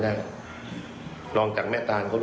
การเงินมันมีฝักมีฝ่ายฮะ